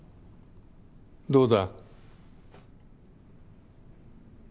どうだ？